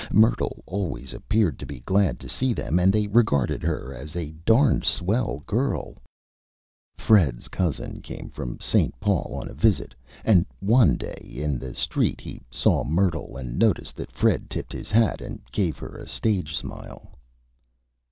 Myrtle always appeared to be glad to see them, and they regarded her as a Darned Swell Girl. [Illustration: MYRTLE] Fred's Cousin came from St. Paul on a Visit; and one Day, in the Street, he saw Myrtle, and noticed that Fred tipped his Hat, and gave her a Stage Smile.